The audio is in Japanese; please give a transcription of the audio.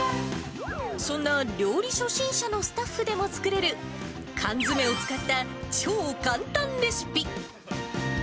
そんな料理初心者のスタッフでも作れる、缶詰を使った超簡単レシピ。